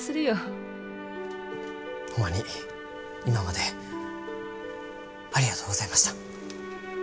ホンマに今までありがとうございました。